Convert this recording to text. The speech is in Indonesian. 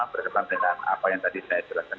berdasarkan apa yang tadi saya jelaskan